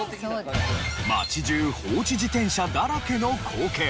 街じゅう放置自転車だらけの光景。